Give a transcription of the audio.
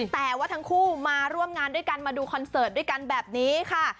แต่ว่าทั้งคู่มาร่วมงานด้วยกันมาดูคอนเสิร์ตด้วยกันแบบนี้ค่ะ